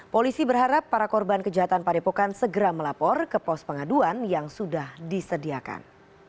polisi berharap para korban kejahatan padepokan segera melapor ke pos pengaduan yang sudah disediakan